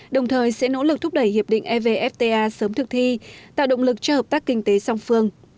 đồng thời sẽ nỗ lực thúc đẩy hiệp định evfta sớm thực thi tạo động lực cho hợp tác kinh tế song phương